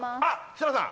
設楽さん